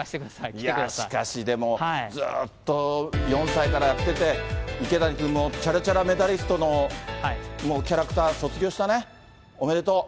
いや、しかし、ずっと４歳からやってて、池谷君も、ちゃらちゃらメダリストのキャラクター、卒業したね、おめでとう。